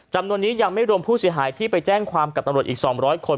จำนวนนี้ยังไม่รวมผู้เสียหายที่ไปแจ้งความกับตำรวจอีก๒๐๐คน